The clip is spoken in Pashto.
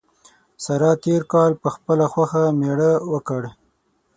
سارا تېر کال په خپله خوښه مېړه وکړ.